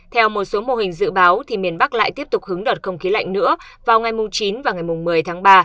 theo một số mô hình dự báo miền bắc lại tiếp tục hứng đợt không khí lạnh nữa vào ngày chín và ngày một mươi tháng ba